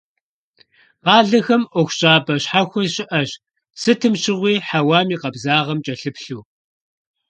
Къалэхэм ӀуэхущӀапӀэ щхьэхуэ щыӀэщ, сытым щыгъуи хьэуам и къабзагъэм кӀэлъыплъу.